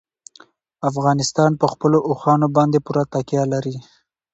افغانستان په خپلو اوښانو باندې پوره تکیه لري.